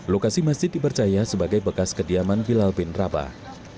lokasi masjid dipercaya sebagai bekas kediaman bilal bin rabah